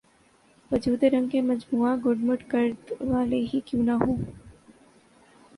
وجود رنگ کے مجموعہ گڈ مڈ کر د والے ہی کیوں نہ ہوں